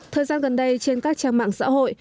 thời gian gần đây trên các trang mạng xã hội